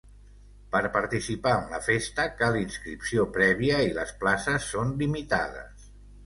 Per participar en la festa, cal inscripció prèvia i les places són limitades.